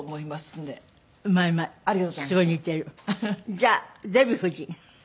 じゃあデヴィ夫人。